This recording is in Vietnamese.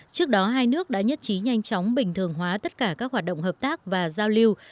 trước đó hai nước đã nhất trí nhanh chóng bình thường hóa tất cả các hoạt động hợp tác và giao lưu